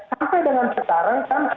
sampai dengan sekarang kan